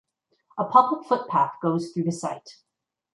A public footpath goes through the site.